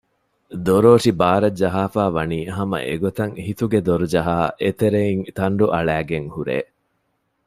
ދޮރޯށި ބާރަށް ޖަހާފައި ވަނީ ހަމަ އެގޮތަށް ހިތުގެ ދޮރުޖަހައި އެތެރެއިން ތަންޑު އަޅައިގެން ހުރޭ